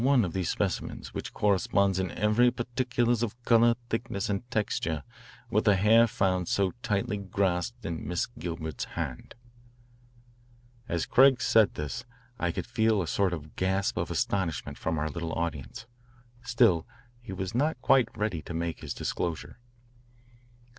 There is just one of these specimens which corresponds in every particular of colour, thickness, and texture with the hair found so tightly grasped in Miss Gilbert's hand." As Craig said this I could feel a sort of gasp of astonishment from our little audience. Still he was not quite ready to make his disclosure.